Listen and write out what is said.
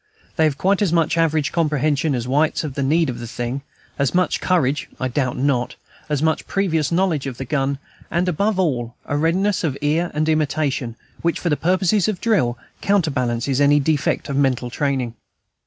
They have quite as much average comprehension as whites of the need of the thing, as much courage (I doubt not), as much previous knowledge of the gun, and, above all, a readiness of ear and of imitation, which, for purposes of drill, counterbalances any defect of mental training.